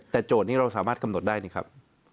แต่โจทย์นี้เราสามารถกำหนดได้นี่ครับ